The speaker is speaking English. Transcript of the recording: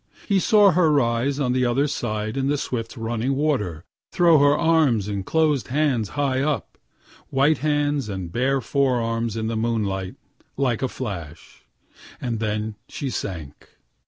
He saw her rise on the other side in the swift running water, throw her arms and closed hands high up, (white hands and bare forearms in the moonlight like a flash,) and then she sank.